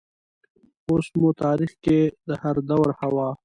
اوس مو تاریخ کې د هردور حوا